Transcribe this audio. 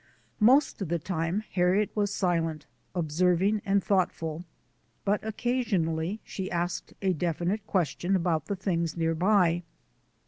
Most of the time Harriet was silent, observing, and thoughtful, but occasionally she asked a defi nite question about the things near by.